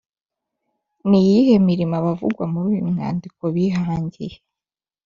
ni iyihe mirimo abavugwa muri uyu mwandiko bihangiye’